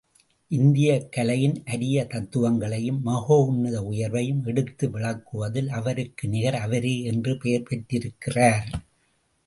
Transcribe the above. இந்தியக் கலையின் அரிய தத்துவங்களையும், மகோன்னத உயர்வையும் எடுத்து விளக்குவதில் அவருக்கு நிகர் அவரே என்று பெயர் பெற்றிருக்கிறார்.